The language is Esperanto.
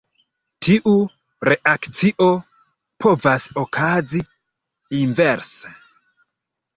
Tiu reakcio povas okazi inverse.